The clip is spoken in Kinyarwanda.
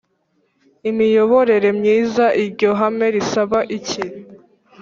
imiyoborere myiza Iryo hame risaba iki